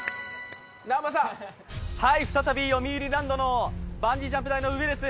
再び、よみうりランドのバンジージャンプ台の上です。